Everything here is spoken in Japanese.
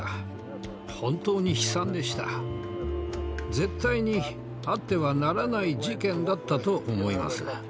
絶対にあってはならない事件だったと思います。